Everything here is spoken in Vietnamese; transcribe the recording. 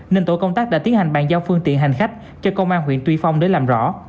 nên tổ công tác đã tiến hành bàn giao phương tiện hành khách cho công an huyện tuy phong để làm rõ